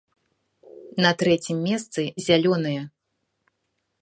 На трэцім месцы зялёныя.